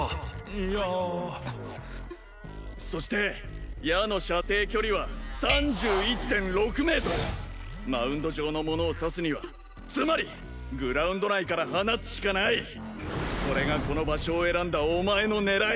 いやそして矢の射程距離は３１．６ｍマウンド上の者を刺すにはつまりグラウンド内から放つしかないそれがこの場所を選んだお前の狙い